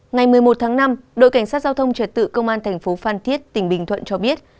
ngày một mươi một tháng năm đội cảnh sát giao thông trật tự công an thành phố phan thiết tỉnh bình thuận cho biết